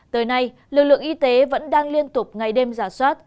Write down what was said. tới nay lực lượng y tế vẫn đang liên tục ngày đêm giả soát